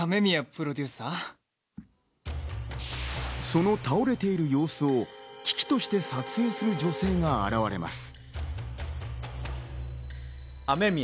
その倒れている様子を嬉々として撮影する女性が現れます。